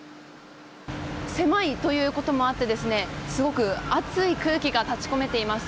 狭いということもあってすごく熱い空気が立ち込めています。